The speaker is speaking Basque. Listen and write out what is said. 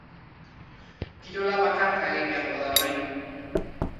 Kirola bakarka egin beharko da orain.